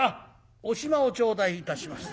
「お暇を頂戴いたします」。